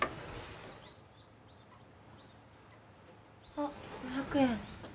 ・あっ５００円。